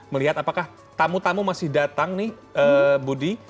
melihat apakah tamu tamu masih datang nih budi